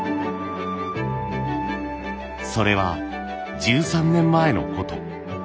それは１３年前のこと。